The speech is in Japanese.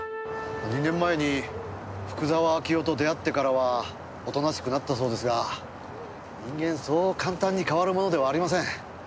２年前に福沢明夫と出会ってからはおとなしくなったそうですが人間そう簡単に変わるものではありません。